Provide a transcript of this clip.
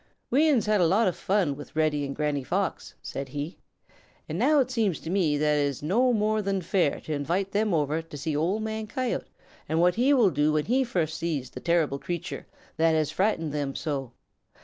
"We uns have had a lot of fun with Reddy and Granny Fox," said he, "and now it seems to me that it is no more than fair to invite them over to see Old Man Coyote and what he will do when he first sees the terrible creature that has frightened them so.